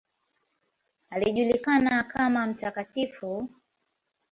Alijulikana kama ""Mt.